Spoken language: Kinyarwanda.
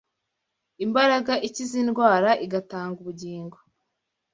imbaraga ikiza indwara, igatanga ubugingo